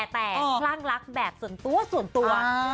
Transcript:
แต่คล่างลักแบบส่วนตัว